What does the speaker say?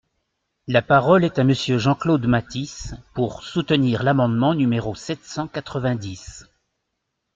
La parole est à Monsieur Jean-Claude Mathis, pour soutenir l’amendement numéro sept cent quatre-vingt-dix.